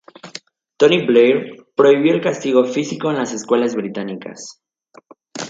Tony Blair prohibió el castigo físico en las escuelas británicas.